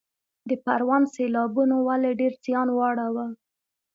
د پروان سیلابونو ولې ډیر زیان واړوه؟